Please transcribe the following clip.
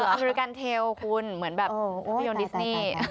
อเมริกันเทลคุณเหมือนแบบภาพยนตร์ดิสนี่